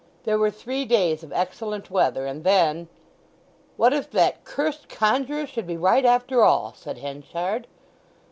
There were three days of excellent weather, and then—"What if that curst conjuror should be right after all!" said Henchard.